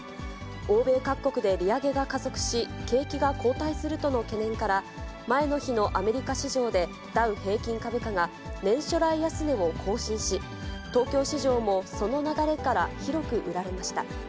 欧米各国で利上げが加速し、景気が後退するとの懸念から、前の日のアメリカ市場で、ダウ平均株価が年初来安値を更新し、東京市場もその流れから広く売られました。